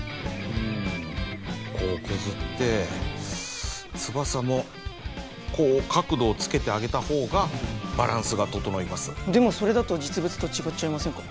うんこう削って翼もこう角度をつけてあげたほうがバランスが整いますでもそれだと実物と違っちゃいませんか？